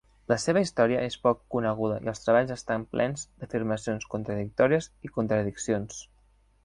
La seva història és poc coneguda i els treballs estan plens d'afirmacions contradictòries i contradiccions.